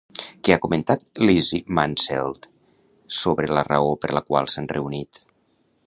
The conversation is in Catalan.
Què ha comentat Lizzy Manseld sobre la raó per la qual s'han reunit?